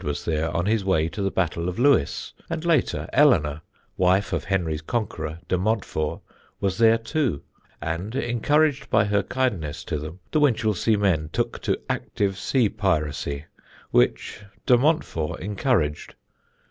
was there on his way to the Battle of Lewes, and later, Eleanor, wife of Henry's conqueror, de Montfort, was there too, and encouraged by her kindness to them the Winchelsea men took to active sea piracy, which de Montfort encouraged.